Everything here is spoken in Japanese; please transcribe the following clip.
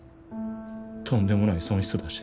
とんでもない損失出して。